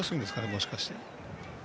もしかして。